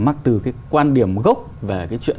mắc từ cái quan điểm gốc về cái chuyện